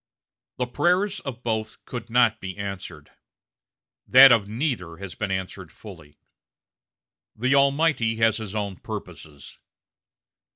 The prayers of both could not be answered that of neither has been answered fully. The Almighty has his own purposes.